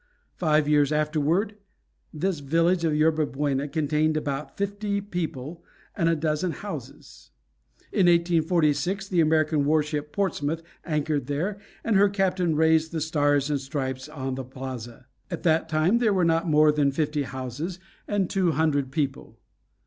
Five years afterward this village of Yerba Buena contained about fifty people and a dozen houses. In 1846 the American war ship Portsmouth anchored there, and her captain raised the "Stars and Stripes" on the Plaza. At that time there were not more than fifty houses and two hundred people.